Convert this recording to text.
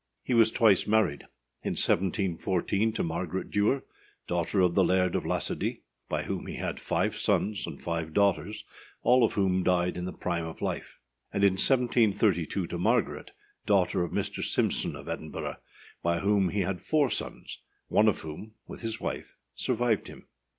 He was twice married: in 1714 to Margaret Dewar, daughter of the Laird of Lassodie, by whom he had five sons and five daughters, all of whom died in the prime of life; and in 1732 to Margaret, daughter of Mr. Simson of Edinburgh, by whom he had four sons, one of whom, with his wife, survived him.